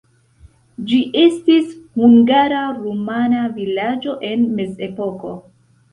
Ĝi estis hungara-rumana vilaĝo en mezepoko.